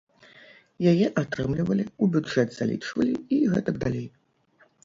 Яе атрымлівалі, у бюджэт залічвалі і гэтак далей.